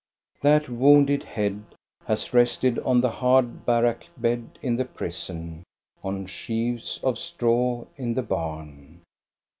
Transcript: That wounded head has rested on the hard barrack bed in the prison, on sheaves of straw in the barn.